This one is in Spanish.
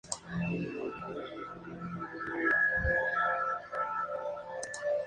Esto significó la base del auge de la línea Hachberg-Sausenberg.